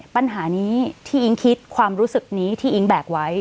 ปัญหานี้ที่อิ๊งคิดความรู้สึกนี้ที่อิ๊งแบกไว้